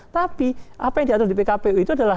tapi apa yang diatur di pkpu itu adalah